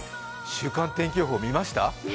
週間天気予報見ました？